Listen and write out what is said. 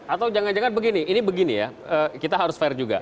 atau jangan jangan begini ini begini ya kita harus fair juga